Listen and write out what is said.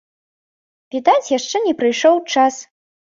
Відаць яшчэ не прыйшоў час.